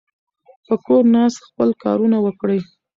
په کور ناست خپل کارونه وکړئ.